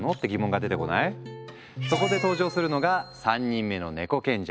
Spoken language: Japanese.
そこで登場するのが３人目のネコ賢者。